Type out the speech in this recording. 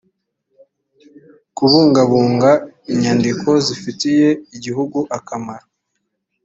kubungabunga inyandiko zifitiye igihugu akamaro